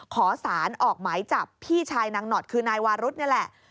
ขอสารออกหมายจับพี่ชายนางหนอดคือนายวารุธนี่แหละ